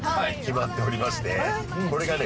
これがね